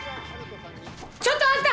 ちょっとあんた！